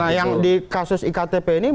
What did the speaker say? nah yang di kasus iktp ini